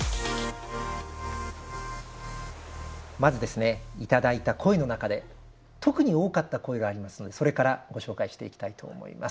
まずですね頂いた声の中で特に多かった声がありますのでそれからご紹介していきたいと思います。